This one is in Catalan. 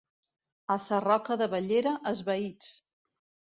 A Sarroca de Bellera, esvaïts.